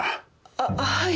あっはい。